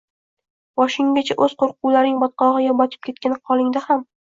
Boshinggacha o‘z qo‘rquvlaring botqog‘iga botib ketgan holingda ham